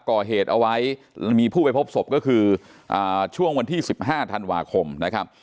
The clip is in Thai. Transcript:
ก่อเหตุเอาไว้มีผู้ไปพบศพก็คือช่วงวันที่๑๕ธันวาคมนะครับ